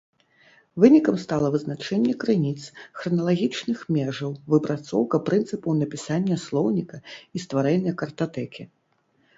Вынікам стала вызначэнне крыніц, храналагічных межаў, выпрацоўка прынцыпаў напісання слоўніка і стварэння картатэкі.